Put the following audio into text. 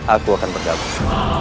aku akan bergabung